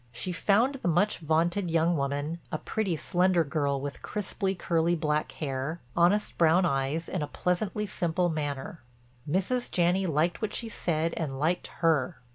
She found the much vaunted young woman, a pretty, slender girl, with crisply curly black hair, honest brown eyes, and a pleasantly simple manner. Mrs. Janney liked what she said and liked her.